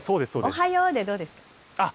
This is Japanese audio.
おはようでどうですか？